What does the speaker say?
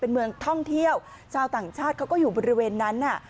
เป็นเมืองท่องเที่ยวชาวต่างชาติเขาก็อยู่บริเวณนั้นน่ะ